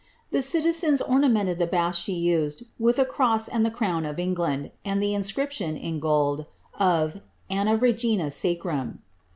The citizens ornamented the bath she used with a cross and the crown of England, and the inscription, in gold, of ^Anna Regina Sacrum.